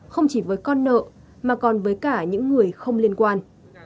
không chỉ với con nợ mà còn với cả những người không liên quan